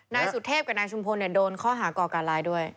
นายสุเทพกับนายชุมพลโดนข้อหาก่อการร้ายด้วย